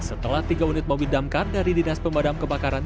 setelah tiga unit mobil damkar dari dinas pemadam kebakaran